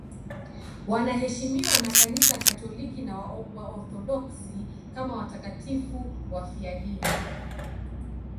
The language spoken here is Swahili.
Wanaheshimiwa na Kanisa Katoliki na Waorthodoksi kama watakatifu wafiadini.